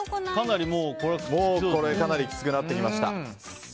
かなりきつくなってきました。